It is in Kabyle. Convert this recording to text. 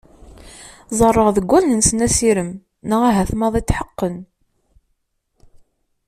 Ẓerreɣ deg wallen-nsen asirem neɣ ahat maḍi tḥeqqen.